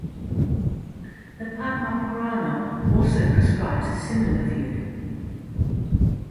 The Padma Purana also prescribes as similar view.